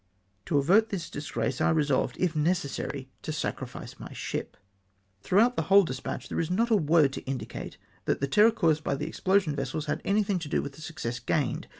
To avert this dis grace, I resolved, if necessary, to sacrifice my ship. Throughout the whole despatch, there is not a word to indicate that the terror caused by the explosion vessels had anything to do with the success gained.